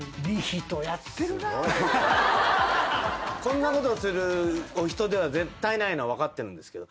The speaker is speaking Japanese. こんなことをするお人では絶対ないの分かってるんですが。